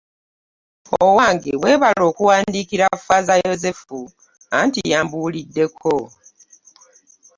Owange, weebale okuwandiikira Faaza Yozefu, anti yambuuliddeko.